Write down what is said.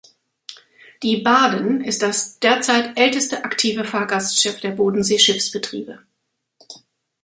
Die "Baden" ist das derzeit älteste aktive Fahrgastschiff der Bodensee-Schiffsbetriebe.